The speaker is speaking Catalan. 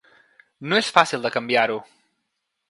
No és fàcil de canviar-ho.